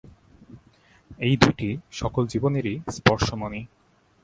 এই দুইটি সকল জীবনেরই স্পর্শমণি।